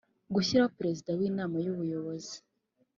Gushyiraho Perezida w Inama y Ubuyobozi